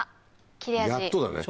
やっとだね。